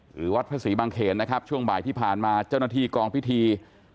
หรือวัดพระศรีบางเขนนะครับช่วงบ่ายที่ผ่านมาเจ้าหน้าที่กองพิธี